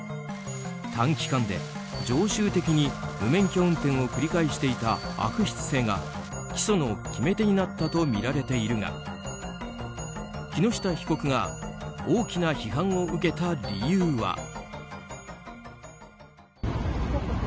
短期間で常習的に無免許運転を繰り返していた悪質性が起訴の決め手になったとみられているが木下被告が大きな批判を受けた理由は。